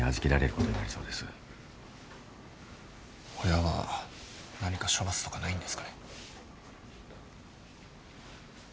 親は何か処罰とかないんですかね。